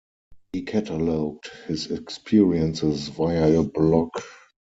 He catalogued his experiences via a blog.